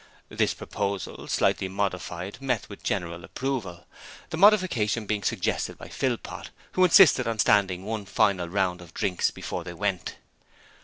This proposal slightly modified met with general approval, the modification being suggested by Philpot, who insisted on standing one final round of drinks before they went.